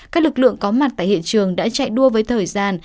các lực lượng có mặt tại hiện trường đã chạy đua với thời gian